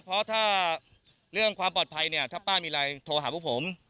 เพราะถ้าเรื่องความปลอดภัยเนี่ยถ้าป้ามีอะไรโทรหาพวกผม